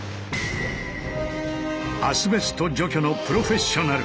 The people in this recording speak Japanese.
アスベスト除去のプロフェッショナル！